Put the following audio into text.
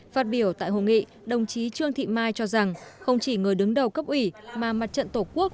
phát biểu tại hội nghị đồng chí trương thị mai cho rằng không chỉ người đứng đầu cấp ủy mà mặt trận tổ quốc